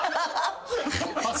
パス？